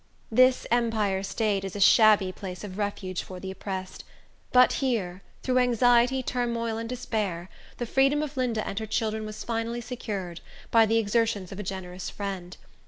This Empire State is a shabby place of refuge for the oppressed; but here, through anxiety, turmoil, and despair, the freedom of Linda and her children was finally secured, by the exertions of a generous friend.